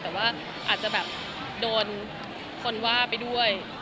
แต่ว่าอาจจะแบบโดนคนว่าไปด้วย